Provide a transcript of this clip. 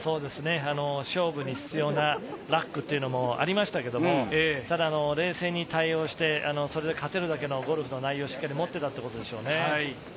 勝負に必要なラックっていうのもありましたけど、冷静に対応して、それで勝てるだけのゴルフの内容をしっかり持っていたということですね。